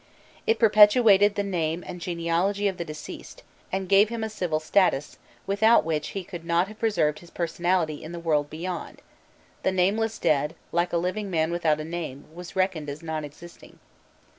It perpetuated the name and genealogy of the deceased, and gave him a civil status, without which he could not have preserved his personality in the world beyond; the nameless dead, like a living man without a name, was reckoned as non existing.